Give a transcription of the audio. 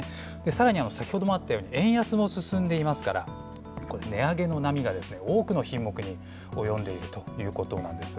さらに先ほどもあったように円安も進んでいますから、値上げの波が多くの品目に及んでいるということなんです。